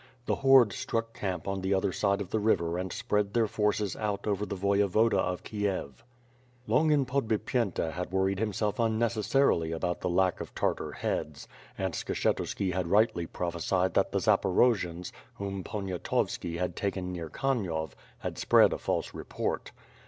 The horde struck camp on the other side of the river and spread their forces out over the Voyevoda of Kiev. Longin Podbipyenta had worried himself unneces sarily about the lack of Tari:ar heads, and Skshetuski had rightly prophesied that the Zaporojians, whom Poniatovski had taken near Kaniov, had spread a false repori